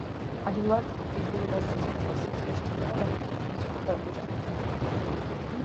ადვილად ეგუება სიცივეს და სიცხეს, სჭირდება დამატებითი ფიზიკური დატვირთვა.